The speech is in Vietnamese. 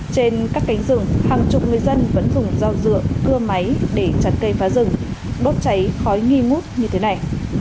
trên các cánh rừng hàng chục người dân vẫn dùng dao dựa cưa máy để chặt cây phá rừng đốt cháy khói nghi ngút như thế này